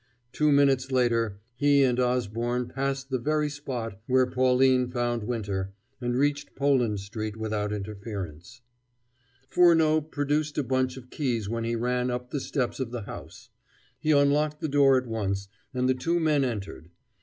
Two minutes later he and Osborne passed the very spot where Pauline found Winter, and reached Poland Street without interference. Furneaux produced a bunch of keys when he ran up the steps of the house. He unlocked the door at once, and the two men entered.